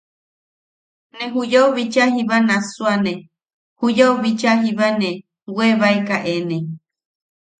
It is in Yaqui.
Ne juyau bichaa jiba nassuane, juyau bichaa jiba ne weebaeka eene.